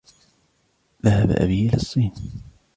ذهب أبي إلى الصين.